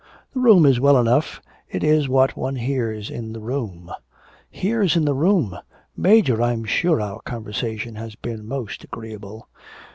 'The room is well enough, it is what one hears in the room.' 'Hears in the room! Major, I'm sure our conversation has been most agreeable.'